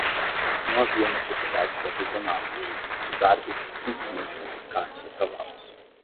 Não havia necessidade de aprisioná-los. Os árabes simplesmente confiscaram seus cavalos.